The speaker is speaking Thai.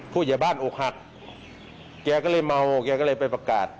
ผู้ใหญ่บ้านอกหักแกก็เลยเมาแกก็เลยไปประกาศ